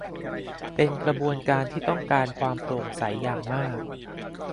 เป็นกระบวนการที่ต้องการความโปร่งใสอย่างมาก